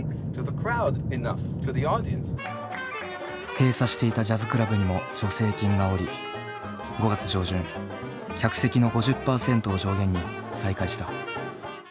閉鎖していたジャズクラブにも助成金が下り５月上旬客席の５０％を上限に再開した。